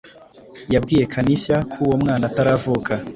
yabwiye kanaitha ko uwo mwana utaravuka,